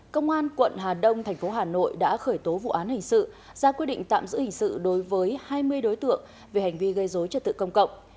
công an quận hà đông thành phố hà nội đã khởi tố vụ án hình sự ra quyết định tạm giữ hình sự đối với hai mươi đối tượng về hành vi gây dối trật tự công cộng